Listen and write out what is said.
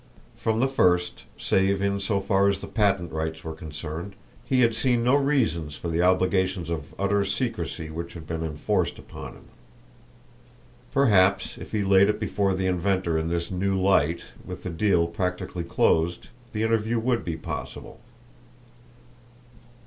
From the first, save in so far as the patent rights were concerned, he had seen no reasons for the obligations of utter secrecy which had been enforced upon him. Perhaps, if he laid it before the inventor in this new light, with the deal practically closed, the interview would be possible!